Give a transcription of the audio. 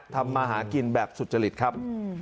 ทำมาหากินแบบสุจริตครับ